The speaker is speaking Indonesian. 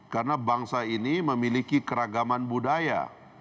karena bangsa ini memiliki keragaman budaya